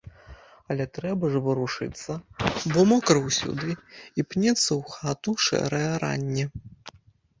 Але трэба ж варушыцца, бо мокра ўсюды, і пнецца ў хату шэрае ранне.